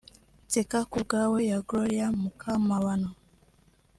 Nseka ku bwawe ya Gloria Mukamabano